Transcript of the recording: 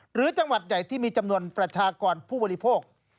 หรือจังหวัดใหญ่ที่มีจำนวนประชากรผู้บริโภค